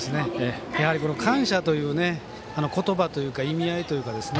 やはり感謝という言葉というか意味合いというか。